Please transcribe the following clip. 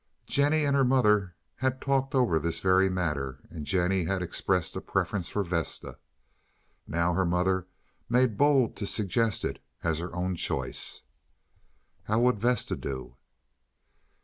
Jennie and her mother had talked over this very matter, and Jennie had expressed a preference for Vesta. Now her mother made bold to suggest it as her own choice. "How would Vesta do?"